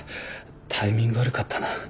タイミング悪かったな。